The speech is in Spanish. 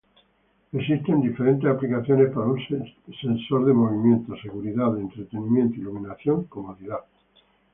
Existen diferentes aplicaciones para un sensor de movimiento: seguridad, entretenimiento, iluminación, comodidad.